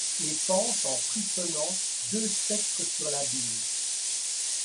Et penche en frissonnant deux spectres sur l’abîme ;